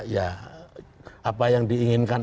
ya apa yang diinginkan